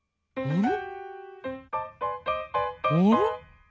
うん。